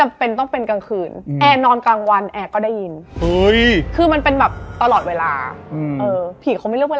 มันคลายขึ้นคลายขึ้นไปพักหนึ่งเลย